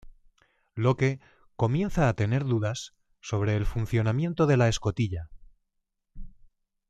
Locke comienza a tener dudas sobre el funcionamiento de la escotilla.